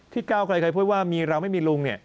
ที่ก้าวกลายเคยพูดว่ามีเราไม่มีลุง